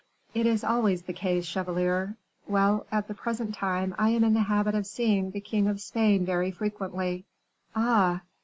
"It is always the case, chevalier. Well, at the present time I am in the habit of seeing the king of Spain very frequently." "Ah!"